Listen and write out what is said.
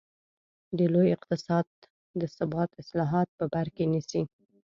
د لوی اقتصاد د ثبات اصلاحات په بر کې نیسي.